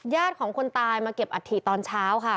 ญาติของคนตายมาเก็บอัตถีตอนเช้าค่ะ